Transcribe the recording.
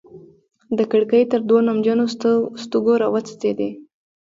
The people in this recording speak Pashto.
د کړکۍ تر دوو نمجنو ستوګو راوڅڅيدې